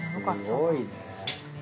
すごいね。